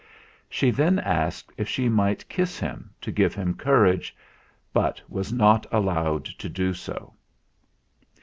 She then asked if she might kiss him, to give him courage, but was not allowed to do so.